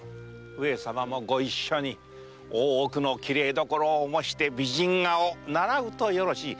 上様もご一緒に大奥の綺麗どころを模して美人画を習うとよろしい。